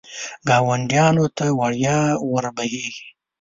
ګاونډیانو ته وړیا ور بهېږي.